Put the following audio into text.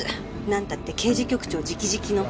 なんたって刑事局長直々の。